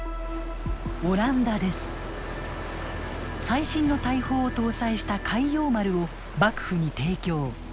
最新の大砲を搭載した開陽丸を幕府に提供。